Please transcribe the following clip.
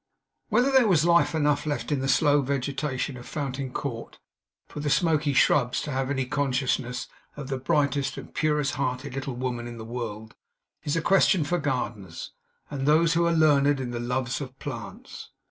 Whether there was life enough left in the slow vegetation of Fountain Court for the smoky shrubs to have any consciousness of the brightest and purest hearted little woman in the world, is a question for gardeners, and those who are learned in the loves of plants.